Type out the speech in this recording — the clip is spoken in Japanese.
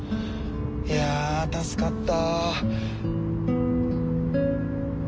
いや助かった。